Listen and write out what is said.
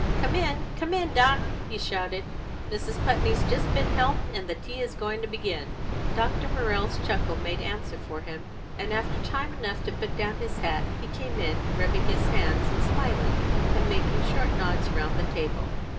"Come in, come in, Doc!" he shouted. "Mrs. Putney's just been helped, and the tea is going to begin." Dr. Morrell's chuckle made answer for him, and after time enough to put down his hat, he came in, rubbing his hands and smiling, and making short nods round the table.